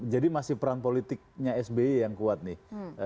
jadi masih peran politiknya sby yang kuat nih